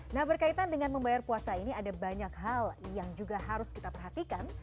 nah berkaitan dengan membayar puasa ini ada banyak hal yang juga harus kita perhatikan